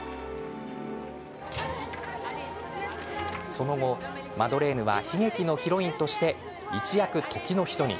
その後、マドレーヌは悲劇のヒロインとして一躍、時の人に。